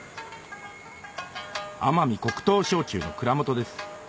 奄美黒糖焼酎の蔵元です